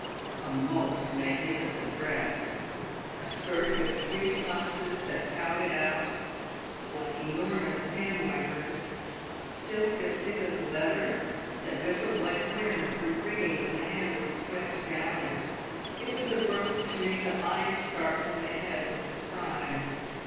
A most magnificent dress. A skirt with three flounces that pouted out like enormous pen wipers. Silk as thick as leather — that whistled like wind through rigging when the hand swept down it. It was a robe to make the eyes start from the head with surprise.